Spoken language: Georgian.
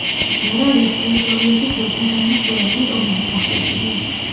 მორავიის ტერიტორიაზე ძველთაგანვე სლავური ტომები სახლობდნენ.